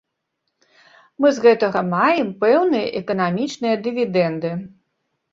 Мы з гэтага маем пэўныя эканамічныя дывідэнды.